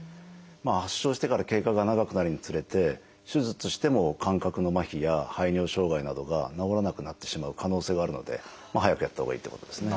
発症してから経過が長くなるにつれて手術しても感覚の麻痺や排尿障害などが治らなくなってしまう可能性があるので早くやったほうがいいってことですね。